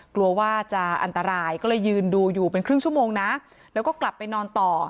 กลัวว่าจะอันตรายก็เลยยืนดูอยู่เป็นครึ่งชั่วโมงนะแล้วก็กลับไปนอนต่อ